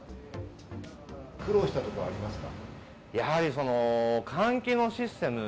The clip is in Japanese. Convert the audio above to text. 苦労したところはありますか？